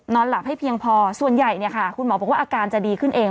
หลับให้เพียงพอส่วนใหญ่เนี่ยค่ะคุณหมอบอกว่าอาการจะดีขึ้นเอง